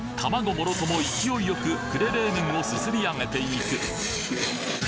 もろとも勢いよく呉冷麺をすすり上げていく！